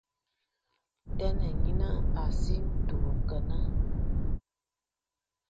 Tə́nə̀ nyinə asì ntǔ kəŋ.